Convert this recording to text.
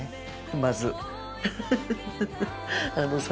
まず。